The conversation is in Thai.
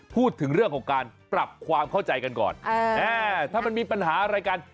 พูดถึงเรื่องของการปรับความเข้าใจกันก่อนถ้ามันมีปัญหาอะไรกัน